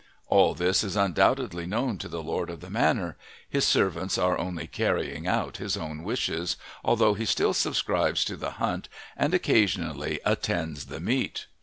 All this is undoubtedly known to the lord of the manor; his servants are only carrying out his own wishes, although he still subscribes to the hunt and occasionally attends the meet.